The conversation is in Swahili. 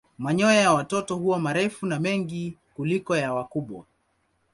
Manyoya ya watoto huwa marefu na mengi kuliko ya wakubwa.